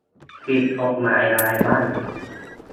ผิดกฎหมายอะไรบ้าง